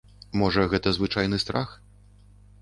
Можа, гэта звычайны страх?